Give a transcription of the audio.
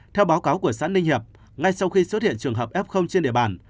theo báo cáo của xã ninh hiệp ngay sau khi xuất hiện trường hợp f trên địa bàn